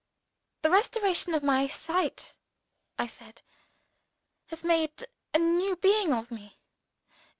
"The restoration of my sight," I said, "has made a new being of me.